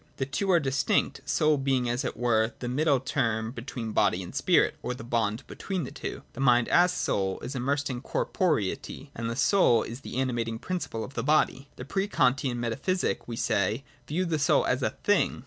The two are distinct, soul being as it were the middle term between body and spirit, or the bond between the two. The mind, as soul, is immersed in corporeity, and the soul is the animating principle of the body. The pre Kantian metaphysic, we say, viewed the soul as a thing.